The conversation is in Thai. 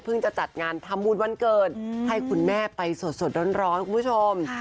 จะจัดงานทำบุญวันเกิดให้คุณแม่ไปสดร้อนคุณผู้ชม